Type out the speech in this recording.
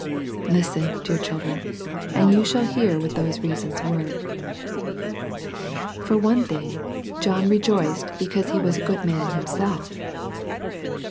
Listen, dear children, and you shall hear what those reasons were. I. For one thing, John rejoiced because he was a good man himself.